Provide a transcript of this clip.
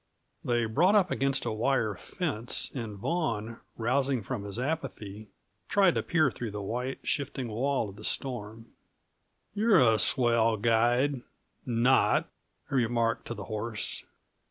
They brought up against a wire fence, and Vaughan, rousing from his apathy, tried to peer through the white, shifting wall of the storm. "You're a swell guide not," he remarked to the horse.